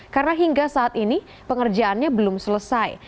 karena hingga saat ini pengerjaannya belum selesai